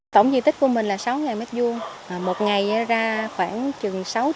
tổng diện tích của mình là sáu m hai một ngày ra khoảng chừng sáu trăm